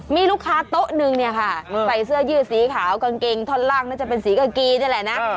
มีลูกค้าโต๊ะนึงเนี่ยค่ะใส่เสื้อยืดสีขาวกางเกงท่อนล่างน่าจะเป็นสีกากีนี่แหละนะ